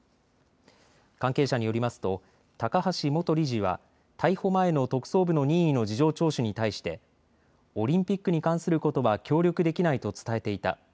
関係者によりますと高橋元理事は逮捕前の特捜部の任意の事情聴取に対してオリンピックに関することは協力できないと伝えていた。